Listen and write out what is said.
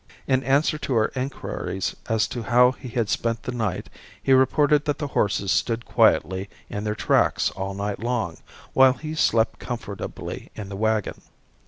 In answer to our inquiries as to how he had spent the night he reported that the horses stood quietly in their tracks all night long, while he slept comfortably in the wagon.